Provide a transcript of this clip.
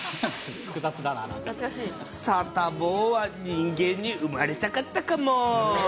サタボーは人間に生まれたかったかも。